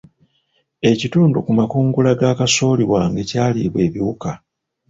Ekitundu ku makungula ga kasooli wange kyalibwa ebiwuka.